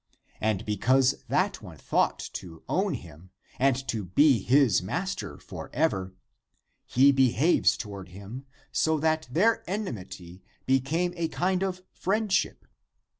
And because that one thought to own him and to be his master for ever, he behaves toward him so that their enmity became a kind of friend ship.